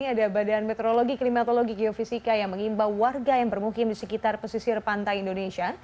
ada badan meteorologi klimatologi geofisika yang mengimbau warga yang bermukim di sekitar pesisir pantai indonesia